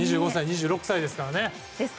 ２５歳、２６歳ですからね。